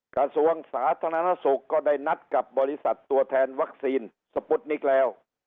กระทรวงสาธารณสุขก็ได้นัดกับบริษัทตัวแทนวัคซีนสปุตนิกแล้ว